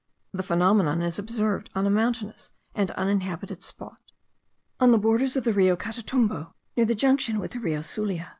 The phenomenon is observed on a mountainous and uninhabited spot, on the borders of the Rio Catatumbo, near the junction with the Rio Sulia.